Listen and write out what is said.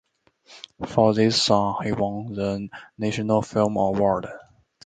For this song he won the national film award.